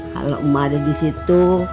kalau emak ada disitu